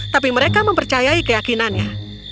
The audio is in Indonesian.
tapi mereka mempercayai keyakinannya